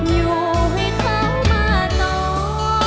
อยู่ให้เขามาต่อ